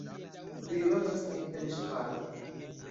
Li loĝas en Temeŝvaro.